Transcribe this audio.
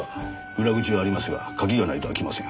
裏口はありますが鍵がないと開きません。